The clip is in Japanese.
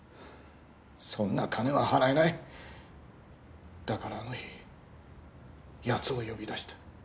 そんな金は払えないだからあの日ヤツを呼び出した